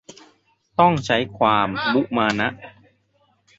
ต้องใช้ความมุมานะ